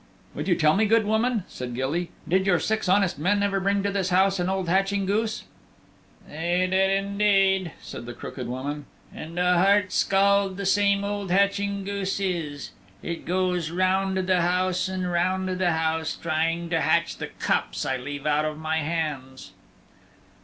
"Would you tell me, good woman," said Gilly, "did your six honest men ever bring to this house an old hatching goose?" "They did indeed," said the crooked woman, "and a heart scald the same old hatching goose is. It goes round the house and round the house, trying to hatch the cups I leave out of my hands."